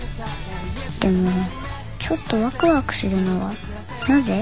でもちょっとワクワクするのはなぜ？